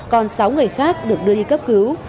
còn sáu người khác được đưa đi cấp cứu